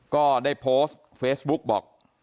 ก็ได้โพสต์เฟซบุ๊กบอก